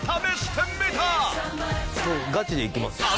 ガチでいきますよ。